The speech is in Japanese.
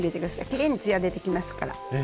きれいにつや出てきますから。